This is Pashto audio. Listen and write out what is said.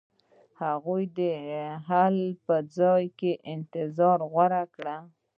هغوی د حل په ځای انتظار غوره کړ.